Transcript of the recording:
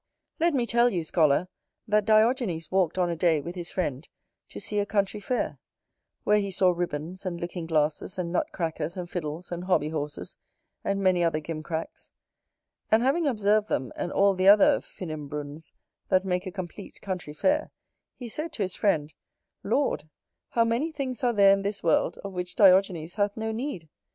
Let me tell you, Scholar, that Diogenes walked on a day, with his friend, to see a country fair; where he saw ribbons, and looking glasses, and nutcrackers, and fiddles, and hobby horses, and many other gimcracks; and, having observed them, and all the other finnimbruns that make a complete country fair, he said to his friend, "Lord, how many things are there in this world of which Diogenes hath no need!"